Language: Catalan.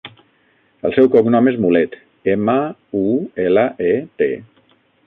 El seu cognom és Mulet: ema, u, ela, e, te.